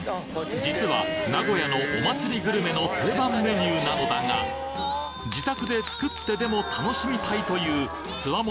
実は名古屋のお祭りグルメの定番メニューなのだが自宅で作ってでも楽しみたいという強者